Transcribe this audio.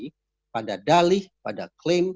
dan saya tidak pernah terbalik pada klaim